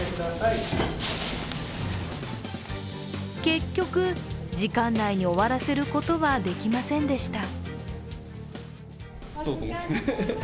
結局、時間内に終わらせることはできませんでした。